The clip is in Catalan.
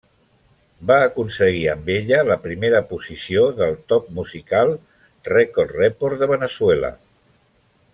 Va aconseguir amb ella la primera posició del top musical Record Report de Veneçuela.